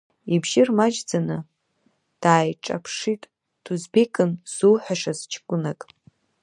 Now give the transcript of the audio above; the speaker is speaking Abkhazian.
Ибжьы рмаҷӡаны, дааиҿаԥшит дузбекын ззуҳәашаз ҷкәынак.